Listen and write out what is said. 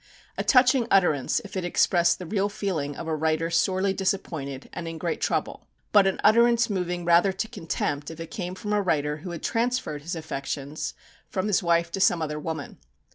A touching utterance if it expressed the real feeling of a writer sorely disappointed and in great trouble; but an utterance moving rather to contempt if it came from a writer who had transferred his affections from his wife to some other woman.